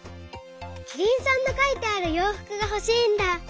キリンさんのかいてあるようふくがほしいんだ！